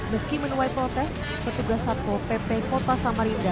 meski menuai protes petugas satpol pp kota samarinda